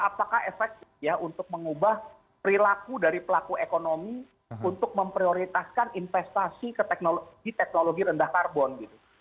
apakah efeknya untuk mengubah perilaku dari pelaku ekonomi untuk memprioritaskan investasi di teknologi rendah karbon